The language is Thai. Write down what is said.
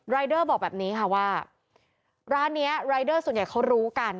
รายเดอร์บอกแบบนี้ค่ะว่าร้านนี้รายเดอร์ส่วนใหญ่เขารู้กัน